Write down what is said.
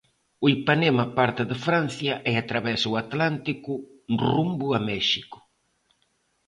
O Ipanema parte de Francia e atravesa o Atlántico rumbo a México.